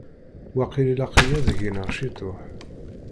Waqil ilaq-iyi ad gneɣ ciṭuḥ.